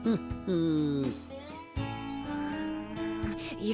うん。